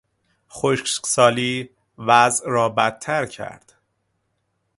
خشکسالی وضع را بدتر کرد.